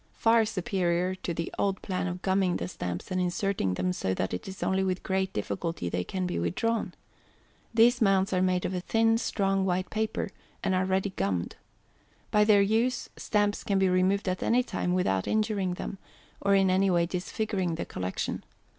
Far superior to the old plan of gumming the Stamps, and inserting them so that it is only with great difficulty they can be withdrawn. These Mounts are made of a thin strong white paper, and are ready gummed. By their use, Stamps can be removed at any time without injuring them, or in any way disfiguring the Collection.